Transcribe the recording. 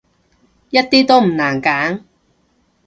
一啲都唔難揀